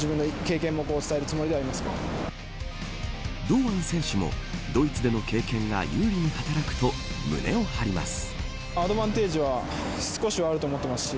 堂安選手もドイツでの経験が優位に働くと胸を張ります。